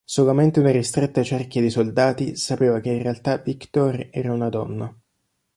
Solamente una ristretta cerchia di soldati sapeva che in realtà Viktor era una donna.